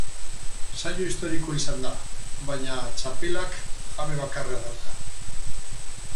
Saio historikoa izan da, baina txapelak jabe bakarra dauka.